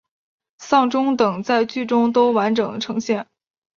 丧钟等在剧中都完整呈现。